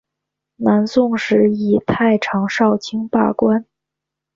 南宋时以太常少卿罢官。